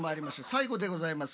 最後でございます。